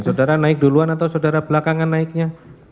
saudara naik duluan atau saudara belakangan naiknya